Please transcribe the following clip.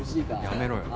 やめろよ。